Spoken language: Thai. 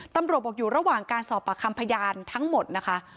ตำรวจบอกอยู่ระหว่างการสอบปากคำพยานทั้งหมดนะคะ